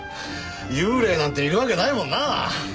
幽霊なんているわけないもんなあ。